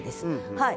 はい。